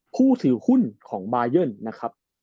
ผู้ถือหุ้นของบายันนะครับ